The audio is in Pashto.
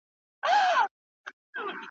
د مرګ غېږ ته ورغلی یې نادانه `